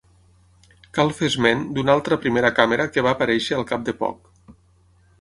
Cal fer esment d'una altra primera càmera que va aparèixer al cap de poc.